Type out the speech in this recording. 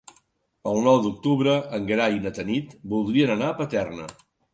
El nou d'octubre en Gerai i na Tanit voldrien anar a Paterna.